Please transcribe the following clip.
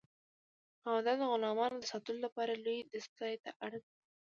خاوندان د غلامانو د ساتلو لپاره لویې دستگاه ته اړ وو.